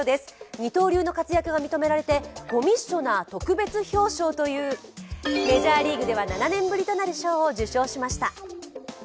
二刀流の活躍が認められてコミッショナー特別表彰というメジャーリーグでは７年ぶりとなる賞を受賞しました。